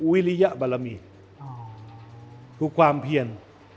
วิริยบารมีคือความเพียร